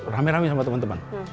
rame rame sama teman teman